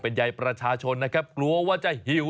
เป็นใยประชาชนนะครับกลัวว่าจะหิว